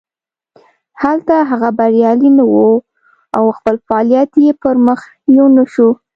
هلته هغه بریالی نه و او خپل فعالیت یې پرمخ یو نه شو.